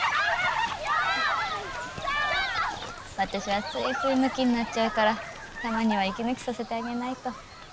私はついついムキになっちゃうからたまには息抜きさせてあげないと。